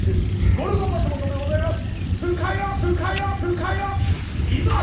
ゴルゴ松本でございます！